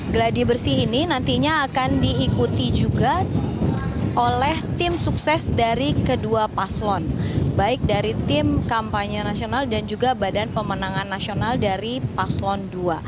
geladi bersih ini nantinya akan diikuti juga oleh tim sukses dari kedua paslon baik dari tim kampanye nasional dan juga badan pemenangan nasional dari paslon dua